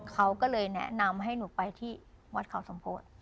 เขาก็เลยแนะนำให้หนูไปที่วัดเขาสมโพธิ